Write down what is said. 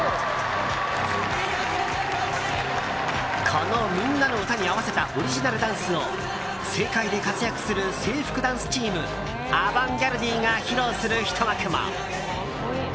この「ミンナノウタ」に合わせたオリジナルダンスを世界で活躍する制服ダンスチームアバンギャルディが披露するひと幕も。